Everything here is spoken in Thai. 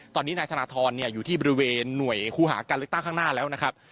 ตอนนี้นายธนทรอยู่ที่บริเวณหน่วยคู่หาการเลือกตั้งข้างหน้าแล้วนะครับ